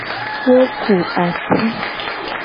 Wo ku ati.